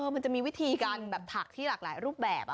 มันจะมีวิธีการแบบถักที่หลากหลายรูปแบบ